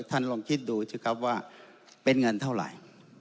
ลองคิดดูสิครับว่าเป็นเงินเท่าไหร่